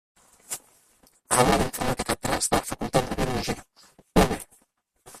Aula d'informàtica tres de la Facultat de Biologia, UB.